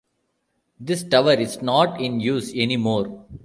This tower is not in use any more.